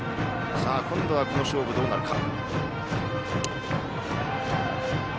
今度は、この勝負どうなるか。